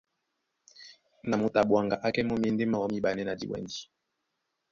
Na moto a ɓwaŋga á kɛ́ mɔ́ myěndé míɓanɛ́ na diwɛndi.